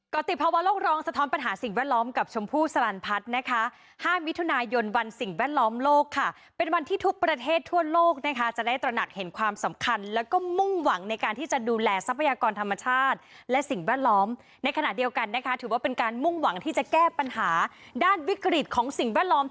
ก็ติดภาวะโลกร้องสะท้อนปัญหาสิ่งแวดล้อมกับชมพู่สลันพัฒน์นะคะ๕มิถุนายนวันสิ่งแวดล้อมโลกค่ะเป็นวันที่ทุกประเทศทั่วโลกนะคะจะได้ตระหนักเห็นความสำคัญแล้วก็มุ่งหวังในการที่จะดูแลทรัพยากรธรรมชาติและสิ่งแวดล้อมในขณะเดียวกันนะคะถือว่าเป็นการมุ่งหวังที่จะแก้ปัญหาด้านวิกฤตของสิ่งแวดล้อม